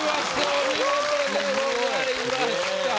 お見事でございました。